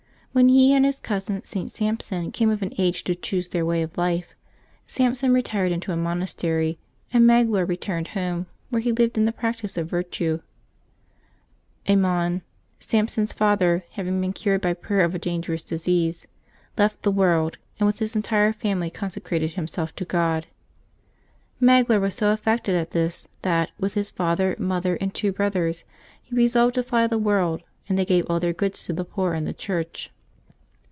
When he and his cousin St. Sampson came of an age to choose their way in life, Samp son retired into a monastery, and Magloire returned home, where he lived in the practice of virtue. Amon, Samp son's father, having been cured by prayer of a dangerous disease, left the world, and with his entire family conse crated himself to God. Magloire was so affected at this that, with his father, mother, and two brothers, he re solved to fly the world, and they gave all their goods to the poor and the Church.